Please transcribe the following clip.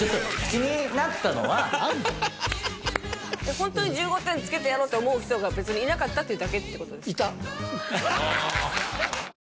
ホントに１５点つけてやろうって思う人が別にいなかったっていうだけ？